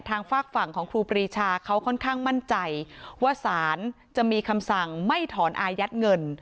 ฝากฝั่งของครูปรีชาเขาค่อนข้างมั่นใจว่าสารจะมีคำสั่งไม่ถอนอายัดเงิน